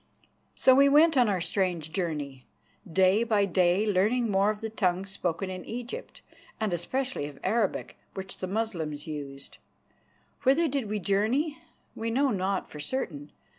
So we went on our strange journey, day by day learning more of the tongues spoken in Egypt, and especially of Arabic, which the Moslems used. Whither did we journey? We know not for certain.